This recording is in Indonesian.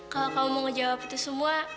kalau kamu mau ngejawab itu semua